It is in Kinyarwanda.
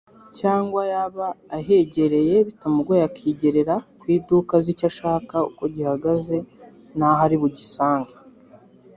cyangwa yaba ahegereye bitamugoye akigerera ku iduka azi icyo ashaka uko gihagaze n’aho ari bugisange